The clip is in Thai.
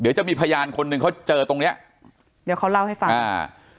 เดี๋ยวจะมีพยานคนหนึ่งเขาเจอตรงเนี้ยเดี๋ยวเขาเล่าให้ฟังอ่า